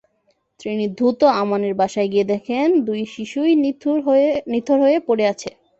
তিনি দ্রুত আমানের বাসায় গিয়ে দেখেন, দুই শিশুই নিথর পড়ে আছে।